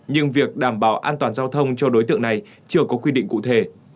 nhưng việc đảm bảo an toàn giao thông cho đối tượng này chưa có quy định cụ thể